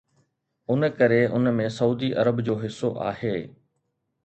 ان ڪري ان ۾ Saudi Arab جو حصو آهي.